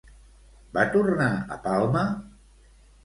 Va tornar a Palma?